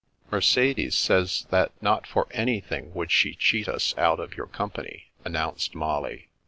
" Mercedes says that not for anything would she cheat us out of your company," announced Molly.